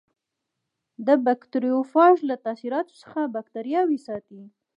د بکټریوفاژ له تاثیراتو څخه باکتریاوې ساتي.